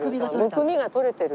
むくみが取れてる。